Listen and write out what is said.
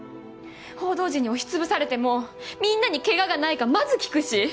報道陣に押しつぶされてもみんなにケガがないかまず聞くし。